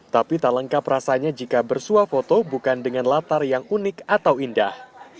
tapi tak lengkap rasanya jika bersuah foto bukan dengan latar yang unik atau indah